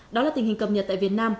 đó là tình hình cập nhật tại việt nam